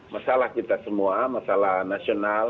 masalah kita semua masalah nasional